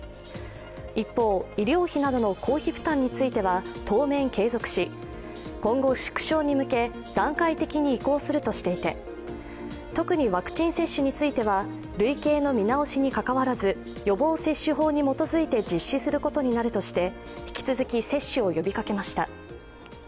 一方、医療費などの公費負担については当面継続し、今後、縮小に向け段階的に移行するとしていて、特にワクチン接種については、類型の見直しにかかわらず予防接種法に基づいて実施することになるとして、引き続き接種を呼びかけました。